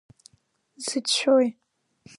Дзыцәшәои?